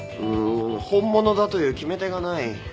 うん本物だという決め手がない。